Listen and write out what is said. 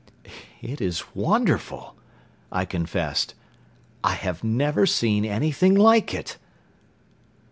"It is wonderful!" I confessed. "I have never seen anything like it!"